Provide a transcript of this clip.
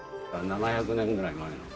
７００年ぐらい前の。